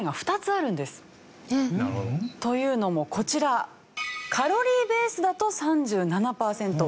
えっ！というのもこちらカロリーベースだと３７パーセント。